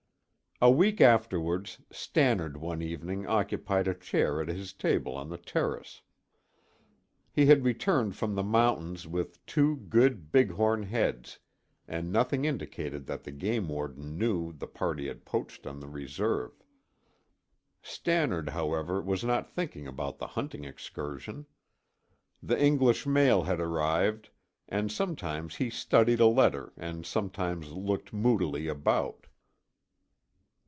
A week afterwards, Stannard one evening occupied a chair at his table on the terrace. He had returned from the mountains with two good big horn heads and nothing indicated that the game warden knew the party had poached on the reserve. Stannard, however, was not thinking about the hunting excursion. The English mail had arrived and sometimes he studied a letter and sometimes looked moodily about.